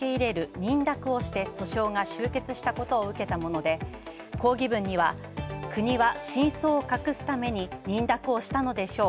「認諾」をして訴訟が終結したことを受けたもので抗議文には国は真相を隠すために認諾をしたのでしょう。